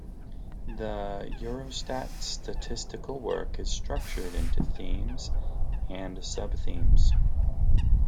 The Eurostat statistical work is structured into Themes and Sub-themes.